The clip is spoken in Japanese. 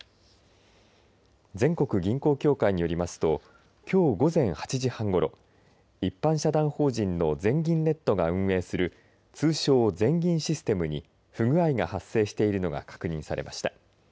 全国銀行協会によりますときょう午前８時半ごろ一般社団法人の全銀ネットが運営する通称、全銀システムに不具合が発生しているのが確認されました。